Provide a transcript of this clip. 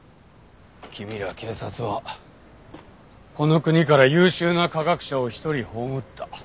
君ら警察はこの国から優秀な科学者を一人葬った。